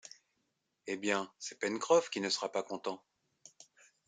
Eh bien, c’est Pencroff qui ne sera pas content !